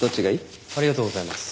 ありがとうございます。